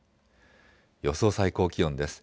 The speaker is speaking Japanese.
予想最高気温です。